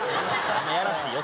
やらしいよ